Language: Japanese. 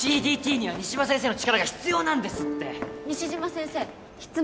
ＣＤＴには西島先生の力が必要なんですって。